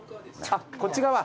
こっち側。